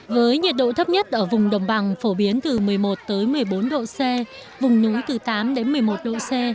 với nhiệt độ thấp nhất ở vùng đồng bằng phổ biến từ một mươi một một mươi bốn độ c vùng núi từ tám đến một mươi một độ c